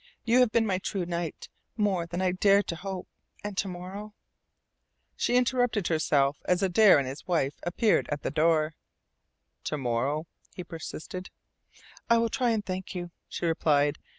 You have been my true knight more than I dared to hope, and to morrow " She interrupted herself as Adare and his wife appeared at the door. "To morrow?" he persisted. "I will try and thank you," she replied.